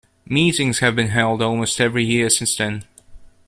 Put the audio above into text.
Meetings have been held almost every year since then.